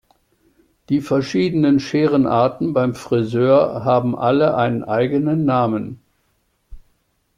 Die verschiedenen Scherenarten beim Frisör haben alle einen eigenen Namen.